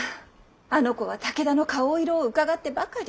あの子は武田の顔色をうかがってばかり。